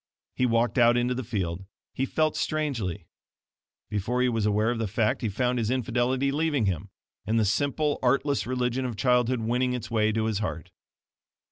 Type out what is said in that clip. He walked out into the field. He felt strangely. Before he was aware of the fact he found his infidelity leaving him, and the simple, artless religion of childhood winning its way to his heart.